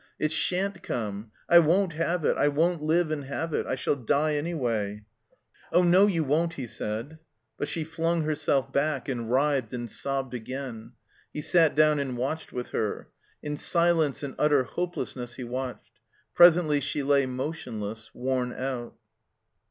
It sha'n't come. I won't have it. I won't live and have it. I shall die anyway." "Oh no, you won't," he said. But she flung herself back and writhed and sobbed again. He sat down and watched with her. In si lence and utter hopelessness he watched. Presently she lay motionless, worn out.